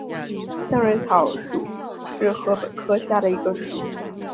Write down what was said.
三蕊草属是禾本科下的一个属。